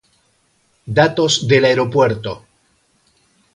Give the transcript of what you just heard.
Datos del aeropuerto.